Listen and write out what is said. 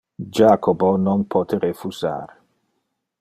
Jacobo non pote refusar.